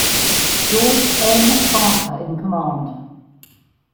George N. Barker in command.